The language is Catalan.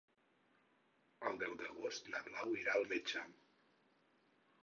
El deu d'agost na Blau irà al metge.